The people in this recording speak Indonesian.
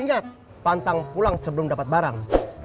ingat pantang pulang sebelum dapat barang